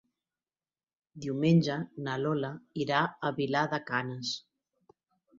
Diumenge na Lola irà a Vilar de Canes.